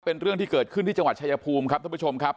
เป็นเรื่องที่เกิดขึ้นที่จังหวัดชายภูมิครับท่านผู้ชมครับ